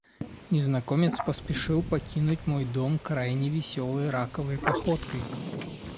Незнакомец поспешил покинуть мой дом крайне весёлой раковой походкой.